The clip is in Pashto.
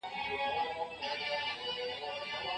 خبریال اوس په دفتر کې ناست دی.